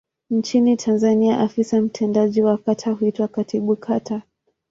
Nchini Tanzania afisa mtendaji wa kata huitwa Katibu Kata.